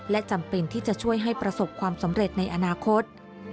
และจำเป็นที่จะช่วยให้ประสบความสำเร็จในอนาคต